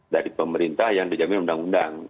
dari pemerintah yang dijamin undang undang